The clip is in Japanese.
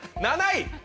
７位！